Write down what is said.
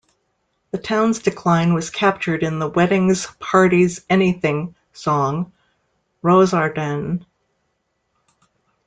The town's decline was captured in the Weddings Parties Anything song 'Rossarden'.